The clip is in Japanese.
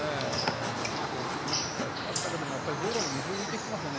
先ほどお伝えしましたけど道路に水が浮いてきていますね。